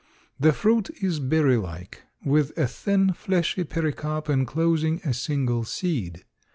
The fruit is berry like, with a thin, fleshy pericarp enclosing a single seed.